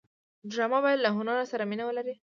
ډرامه باید له هنر سره مینه ولري